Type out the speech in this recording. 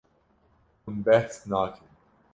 Hûn behs nakin.